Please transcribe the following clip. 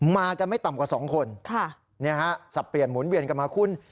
มากันไม่ต่ำกว่า๒คนสับเปลี่ยนหมุนเวียนกันมาคุณ